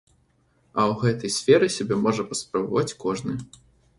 А ў гэтай сферы сябе можа паспрабаваць кожны.